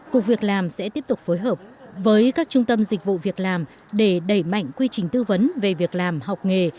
cục việc làm sẽ tiếp tục phối hợp với các trung tâm dịch vụ việc làm để đẩy mạnh quy trình tư vấn về việc làm học nghề